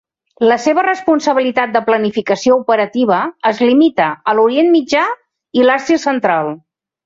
La seva responsabilitat de planificació operativa es limita a l'Orient Mitjà i l'Àsia Central.